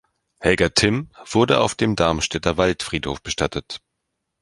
Helga Timm wurde auf dem Darmstädter Waldfriedhof bestattet.